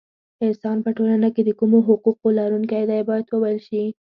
انسان په ټولنه کې د کومو حقونو لرونکی دی باید وویل شي.